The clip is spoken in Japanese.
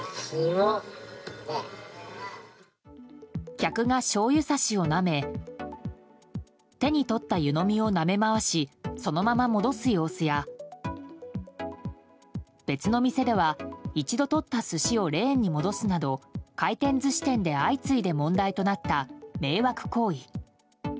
客がしょうゆさしをなめ手に取った湯飲みをなめ回しそのまま戻す様子や別の店では、一度取った寿司をレーンに戻すなど回転寿司店で相次いで問題となった迷惑行為。